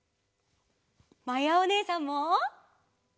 まやおねえさんも！